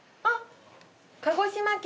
あっ！